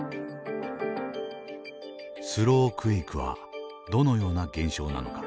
スロークエイクはどのような現象なのか。